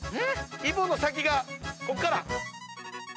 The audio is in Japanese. イボの先がここから！